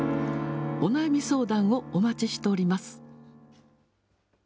お悩み相談をお待ちしております。